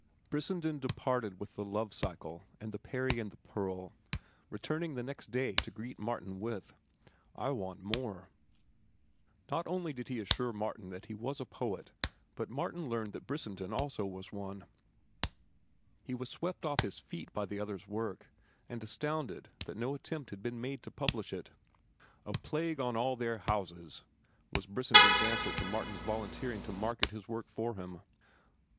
Brissenden departed with the "Love cycle," and "The Peri and the Pearl," returning next day to greet Martin with: "I want more." Not only did he assure Martin that he was a poet, but Martin learned that Brissenden also was one. He was swept off his feet by the other's work, and astounded that no attempt had been made to publish it. "A plague on all their houses!" was Brissenden's answer to Martin's volunteering to market his work for him.